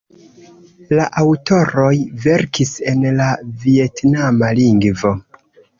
La aŭtoroj verkis en la vjetnama lingvo.